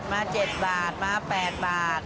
มา๗บาทมา๘บาท